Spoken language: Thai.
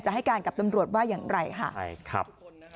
ให้การกับตำรวจว่าอย่างไรค่ะใช่ครับ